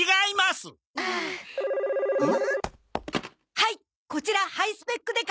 はいこちらハイスペックデカ。